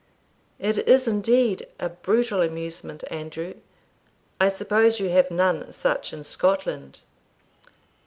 "It is indeed a brutal amusement, Andrew; I suppose you have none such in Scotland?"